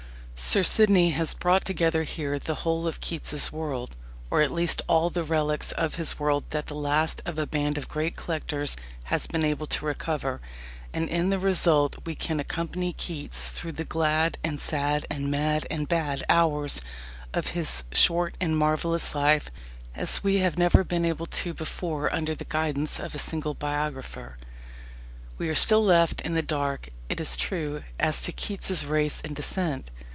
Sir Sidney has brought together here the whole of Keats's world, or at least all the relics of his world that the last of a band of great collectors has been able to recover; and in the result we can accompany Keats through the glad and sad and mad and bad hours of his short and marvellous life as we have never been able to do before under the guidance of a single biographer. We are still left in the dark, it is true, as to Keats's race and descent.